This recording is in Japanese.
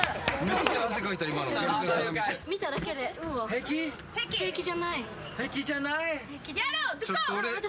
平気！